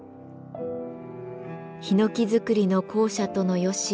「ひのき造りの校舎との由